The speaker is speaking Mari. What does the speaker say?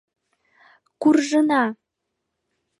— Куржына!